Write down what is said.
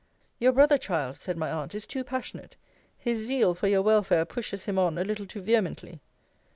Your brother, child, said my aunt, is too passionate his zeal for your welfare pushes him on a little too vehemently.